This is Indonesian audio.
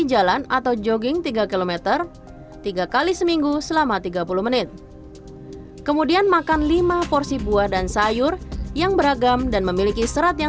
jangan lupa like share dan subscribe ya